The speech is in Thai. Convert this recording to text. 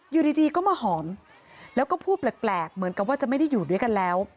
อยู่ดีก็มาหอมแล้วก็พูดแปลกเหมือนกับว่าจะไม่ได้อยู่ด้วยกันแล้ว